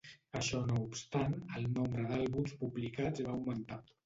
Això no obstant, el nombre d'àlbums publicats va augmentar.